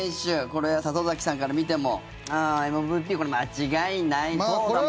これは里崎さんから見てもＭＶＰ、これ間違いない。